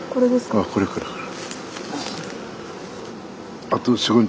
ああこれこれこれ。